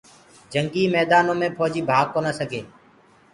جنگي ميدآنو دي ڦوجي ڀآگ ڪونآ سگي